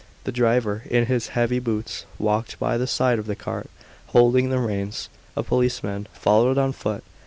The driver, in his heavy boots, walked by the side of the cart, holding the reins; a policeman followed on foot.